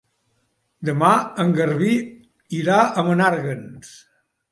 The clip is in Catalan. Demà en Garbí irà a Menàrguens.